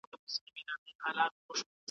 د سرطان ژوندي پاتې کېدل د خلکو لپاره امید دی.